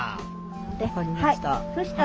分かりました。